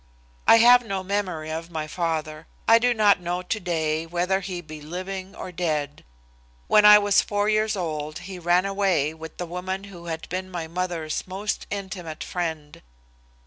I have no memory of my father. I do not know today whether he be living or dead. When I was 4 years old he ran away with the woman who had been my mother's most intimate friend.